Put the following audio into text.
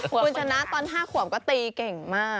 คุณชนะตอน๕ขวบก็ตีเก่งมาก